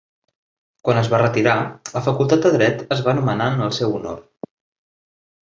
Quan es va retirar, la Facultat de Dret es va anomenar en el seu honor.